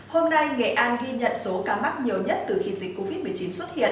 hôm nay nghệ an ghi nhận số ca mắc nhiều nhất từ khi dịch covid một mươi chín xuất hiện